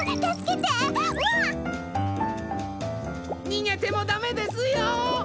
にげてもだめですよ！